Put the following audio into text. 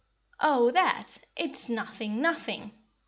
"Oh, that! It is nothing, nothing!"